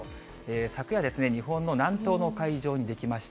昨夜、日本の南東の海上に出来ました。